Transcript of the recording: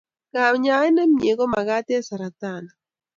kanyaet nemiee komakat eng saratani